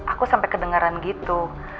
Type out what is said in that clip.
aku sampai kedengeran gitu